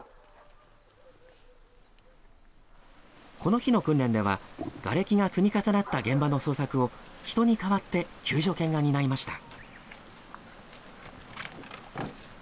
この日の訓練では、がれきが積み重なった現場の捜索を、人に代わって救助犬が担いました。